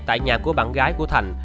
tại nhà của bạn gái của thành